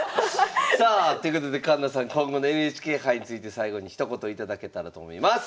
さあということで環那さん今後のＮＨＫ杯について最後にひと言頂けたらと思います！